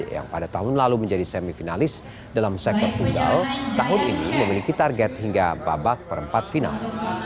yang pada tahun lalu menjadi semifinalis dalam sektor tunggal tahun ini memiliki target hingga babak perempat final